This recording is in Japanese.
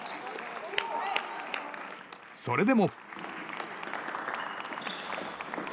それでも。